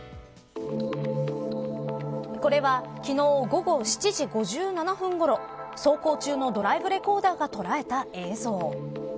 これは、昨日午後７時５７分ごろ走行中のドライブレコーダーが捉えた映像。